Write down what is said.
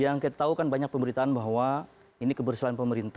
yang kita tahu kan banyak pemberitaan bahwa ini kebersihan pemerintah